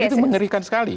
itu mengerikan sekali